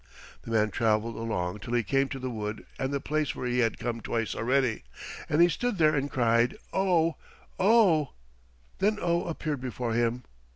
The man travelled along till he came to the wood and the place where he had come twice already, and he stood there and cried, "Oh! Oh!" Then Oh appeared before him.